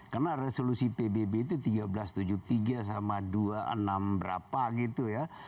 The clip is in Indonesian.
karena resolusi pbb itu seribu tiga ratus tujuh puluh tiga sama dua puluh enam berapa gitu ya